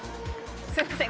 すみません。